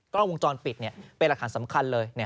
กล้องวงจรปิดเนี่ยเป็นอักษรสำคัญเลย